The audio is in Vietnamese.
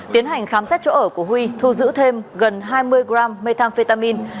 tiến hành khám xét chỗ ở của huy thu giữ thêm gần hai mươi g methamphetamin